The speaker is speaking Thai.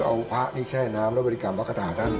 ก็เอาพระที่แช่น้ำเราไปรับมกฏาธรรม